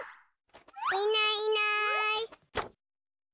いないいない。